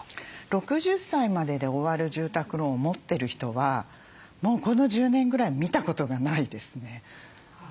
６０歳までで終わる住宅ローンを持ってる人はもうこの１０年ぐらい見たことがないですね。